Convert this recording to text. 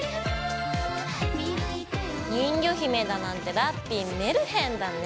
人魚姫だなんてラッピィメルヘンだね。